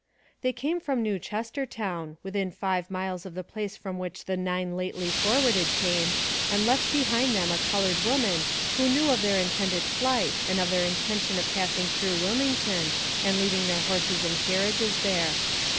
They come from New Chestertown, within five miles of the place from which the nine lately forwarded came, and left behind them a colored woman who knew of their intended flight and of their intention of passing through Wilmington and leaving their horses and carriages there.